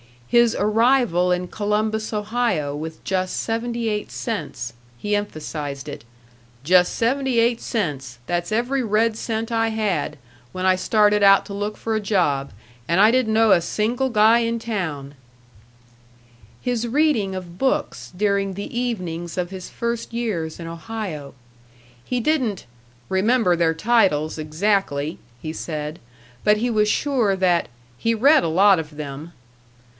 His arrival in Columbus, Ohio, with just seventy eight cents he emphasized it: "just seventy eight cents, that's every red cent I had, when I started out to look for a job, and I didn't know a single guy in town." His reading of books during the evenings of his first years in Ohio; he didn't "remember their titles, exactly," he said, but he was sure that "he read a lot of them."